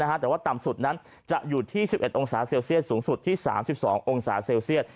แต่ว่าต่ำสุดนั้นจะอยู่ที่๑๑องศาเซลเซียสสูงสุดที่๓๒องศาเซลเซียต